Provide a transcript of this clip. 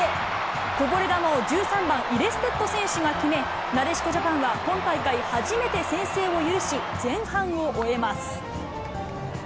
こぼれ球を、１３番イレステット選手が決め、なでしこジャパンは今大会初めて先制を許し、前半を終えます。